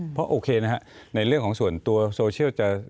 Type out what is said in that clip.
เพราะโอเคนะฮะในเรื่องของส่วนตัวโซเชียลจะ